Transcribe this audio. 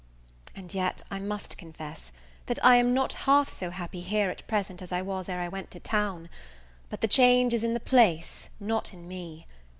And yet I must confess, that I am not half so happy here at present as I was ere I went to town: but the change is in the place, not in me.